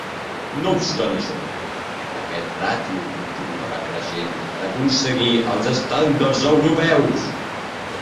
No obstant això, aquest ràtio continuarà creixent per a aconseguir els estàndards europeus.